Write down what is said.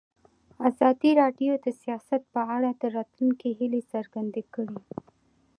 ازادي راډیو د سیاست په اړه د راتلونکي هیلې څرګندې کړې.